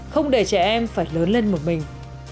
không để trẻ em phải lớn lên một mình